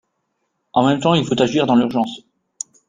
En même temps, il faut agir dans l’urgence.